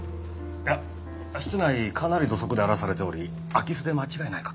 いや室内かなり土足で荒らされており空き巣で間違いないかと。